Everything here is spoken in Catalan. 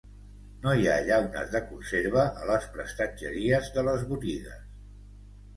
No hi ha llaunes de conserva a les prestatgeries de les botigues.